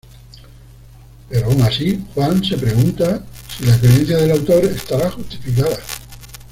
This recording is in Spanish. Pero aun así, Juan se pregunta si la creencia del autor estará justificada.